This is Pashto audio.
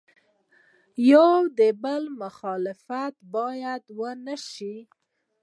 د یو بل مخالفت باید ونسي.